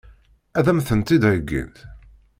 Ad m-tent-id-heggint?